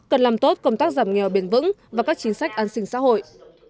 cần làm tốt công tác giảm nghèo bền vững và các chính sách an sinh xã hội